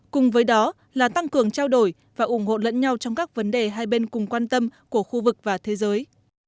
cùng với đó là tăng cường trao đổi và ủng hộ lẫn nhau trong các vấn đề hai bên cùng quan tâm của khu vực và thế giới